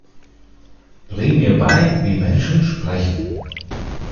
Bring mir bei, wie Menschen sprechen!